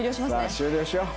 終了しよう。